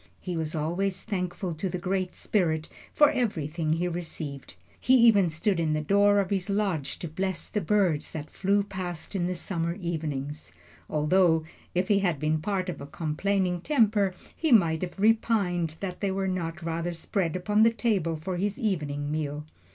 He was always thankful to the Great Spirit for everything he received. He even stood in the door of his lodge to bless the birds that flew past in the summer evenings; although, if he had been of a complaining temper, he might have repined that they were not rather spread upon the table for his evening meal.